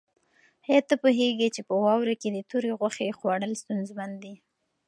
آیا ته پوهېږې چې په واوره کې د تورې غوښې خوړل ستونزمن دي؟